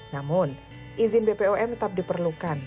namun izin bpom tetap diperlukan